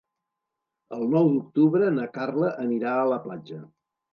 El nou d'octubre na Carla anirà a la platja.